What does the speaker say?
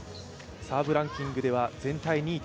サーブランキングでは全体２位